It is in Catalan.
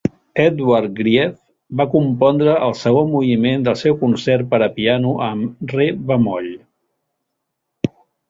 Edvard Grieg va compondre el segon moviment del seu concert per a piano en re bemoll.